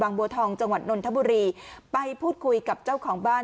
บัวทองจังหวัดนนทบุรีไปพูดคุยกับเจ้าของบ้าน